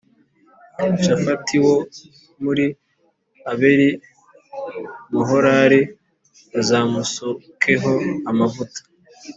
Shafati wo muri Abeli Meholal uzamusukeho amavuta